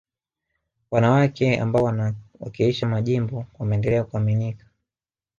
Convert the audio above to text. wanawake ambao wanawakilishi majimbo wameendelea kuaminika